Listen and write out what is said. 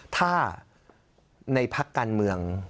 ถ้าในพักการเมือง